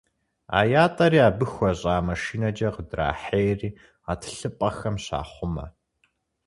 А ятӏэри абы хуэщӏа машинэкӏэ къыдрахьейри, гъэтӏылъыпӏэхэм щахъумэ.